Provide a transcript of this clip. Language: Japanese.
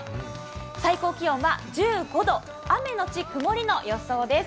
最高気温は１５度、雨のち曇りの予想です。